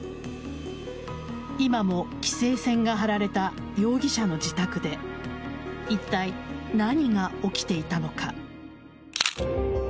今も規制線が張られた容疑者の自宅でいったい何が起きていたのか。